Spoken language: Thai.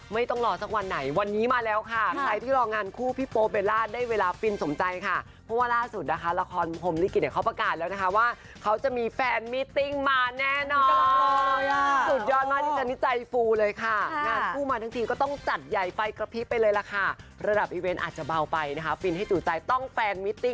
ไม่ต้องรอสักวันไหนวันนี้มาแล้วค่ะใครที่รองานคู่พี่โปเบลล่าได้เวลาฟินสมใจค่ะเพราะว่าล่าสุดนะคะละครพรมลิกิจเนี่ยเขาประกาศแล้วนะคะว่าเขาจะมีแฟนมิติ้งมาแน่นอนเลยอ่ะสุดยอดมากดิฉันนี่ใจฟูเลยค่ะงานคู่มาทั้งทีก็ต้องจัดใหญ่ไฟกระพริบไปเลยล่ะค่ะระดับอีเวนต์อาจจะเบาไปนะคะฟินให้จู่ใจต้องแฟนมิต